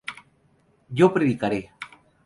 yo predicaré